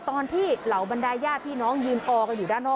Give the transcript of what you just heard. ตอนที่เหล่าบันไดย่าพี่น้องยืนออกอยู่ด้านนอก